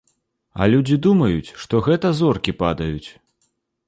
А людзі думаюць, што гэта зоркі падаюць.